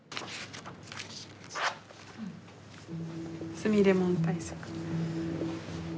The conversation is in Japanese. すみれもん対策。